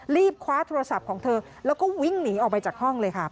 คว้าโทรศัพท์ของเธอแล้วก็วิ่งหนีออกไปจากห้องเลยค่ะ